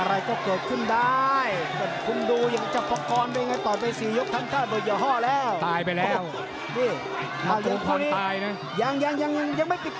อะไรก็เกิดขึ้นได้คุณดูยังจับประกอบไปยังไงต่อไปสิ